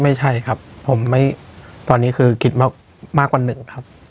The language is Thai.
ไม่ใช่ครับผมไม่ตอนนี้คือคิดมากกว่าหนึ่งครับ